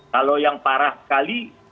kalau yang parah sekali